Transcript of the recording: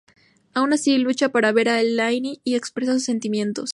Aun así, lucha para ver a Elaine y expresarle sus sentimientos.